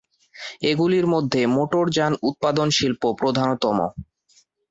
এগুলির মধ্যে মোটরযান উৎপাদন শিল্প প্রধানতম।